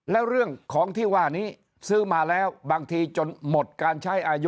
แล้วเรื่องของที่ว่านี้ซื้อมาแล้วบางทีจนหมดการใช้อายุ